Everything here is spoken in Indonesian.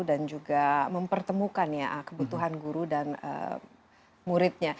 dan juga mempertemukan kebutuhan guru dan muridnya